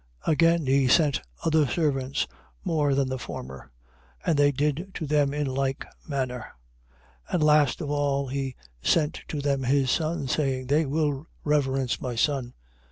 Again he sent other servants, more than the former; and they did to them in like manner. 21:37. And last of all he sent to them his son, saying: They will reverence my son. 21:38.